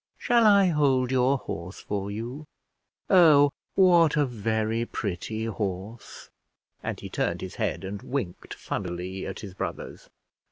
Shall I hold your horse for you? Oh what a very pretty horse!" and he turned his head and winked funnily at his brothers.